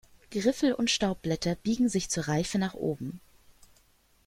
Griffel und Staubblätter biegen sich zur Reife nach oben.